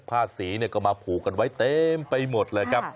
ผ้าสีก็มาผูกกันไว้เต็มไปหมดเลยครับ